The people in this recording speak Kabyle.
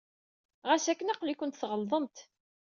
Ɣas akken, aql-ikent tɣelḍemt.